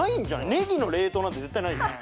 ネギの冷凍なんて絶対ないんじゃない？